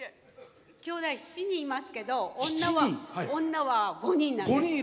きょうだい７人いますけど女は５人です。